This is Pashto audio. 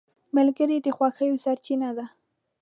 ملګری د خوښیو سرچینه ده